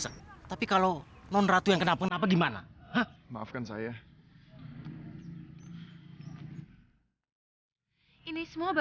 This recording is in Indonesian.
aku kalah aku gak akan pernah kalah